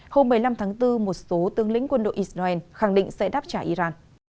hôm một mươi năm tháng bốn một số tương lính quân đội israel khẳng định sẽ đáp trả iran